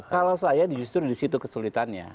kalau saya justru di situ kesulitannya